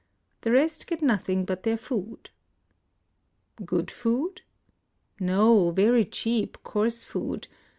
The rest get nothing but their food." "Good food?" " No, very cheap, coarse food.